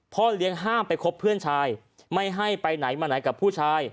เลี้ยงห้ามไปคบเพื่อนชายไม่ให้ไปไหนมาไหนกับผู้ชาย